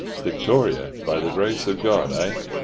"Victoria by the Grace of God, eh?